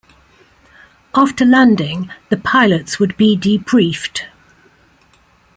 After landing, the pilots would be debriefed.